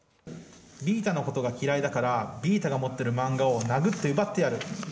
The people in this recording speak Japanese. Ｂ太のことが嫌いだからＢ太が持っているマンガを殴って奪ってやる。